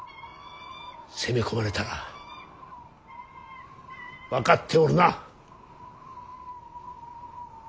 攻め込まれたら分かっておるな。